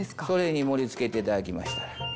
それに盛り付けて頂きましたら。